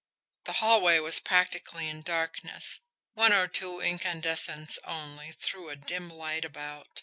The hallway was practically in darkness, one or two incandescents only threw a dim light about.